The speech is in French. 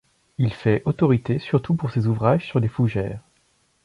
Il fait autorité surtout pour ses ouvrages sur les fougères.